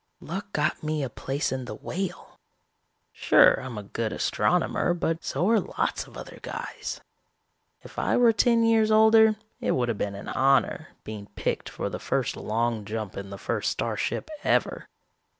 Luck got me a place in the Whale. Sure I'm a good astronomer but so are lots of other guys. If I were ten years older, it would have been an honor, being picked for the first long jump in the first starship ever.